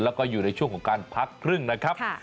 แล้วก็อยู่ในช่วงของการพักครึ่งนะครับ